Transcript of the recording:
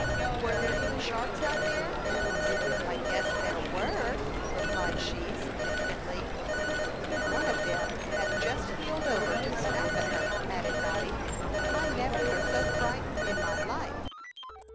"Were there any sharks out there?" "I guess there were!" replied she, significantly. "One of them had just heeled over to snap at her," added Noddy. "I never was so frightened in my life."